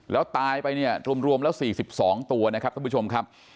แล้วตายไปเนี่ยรวมแล้ว๔๒ตัวนะครับท่านผู้ชมครับ